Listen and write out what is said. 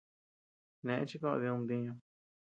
Neʼe chi koʼöd did ntiñu.